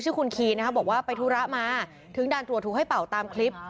คุณคีนะครับบอกว่าไปธุระมาถึงด่านตรวจถูกให้เป่าตามคลิป